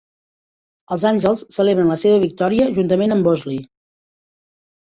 Els Àngels celebren la seva victòria juntament amb Bosley.